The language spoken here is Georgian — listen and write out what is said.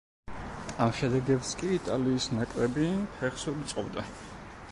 ამ შედეგებს კი იტალიის ნაკრები ფეხს ვერ უწყობდა.